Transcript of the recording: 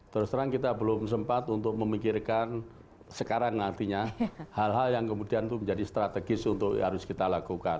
terus terang kita belum sempat untuk memikirkan sekarang artinya hal hal yang kemudian itu menjadi strategis untuk harus kita lakukan